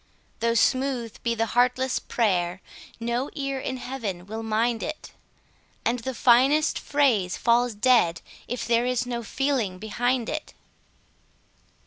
Though smooth be the heartless prayer, no ear in Heaven will mind it, And the finest phrase falls dead if there is no feeling behind it.